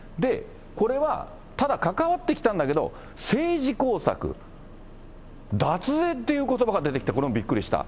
これは、ただ関わってきたんだけど、政治工作、脱税ってことばが出てきて、これもびっくりした。